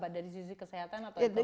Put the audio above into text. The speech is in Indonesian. dari sisi kesehatan atau bagaimana